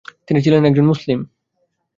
তিনি ছিলেন একজন মুসলিম।